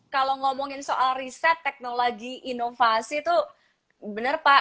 kalau ngomongin soal riset teknologi inovasi tuh bener pak